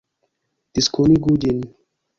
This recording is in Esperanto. Diskonigu ĝin!